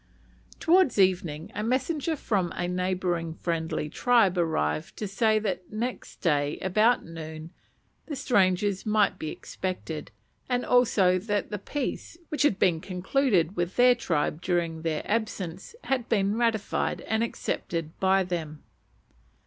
Towards evening a messenger from a neighbouring friendly tribe arrived to say that next day, about noon, the strangers might be expected; and also that the peace, which had been concluded with their tribe during their absence, had been ratified and accepted by them.